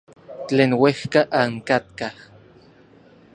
Tlen uejka ankatkaj.